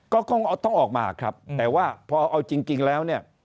ก็คงต้องออกมาครับแต่ว่าพอเอาจริงแล้วเนี่ย